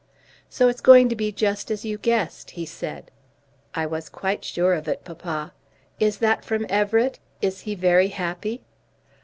"So it's going to be just as you guessed," he said. "I was quite sure of it, papa. Is that from Everett? Is he very happy?"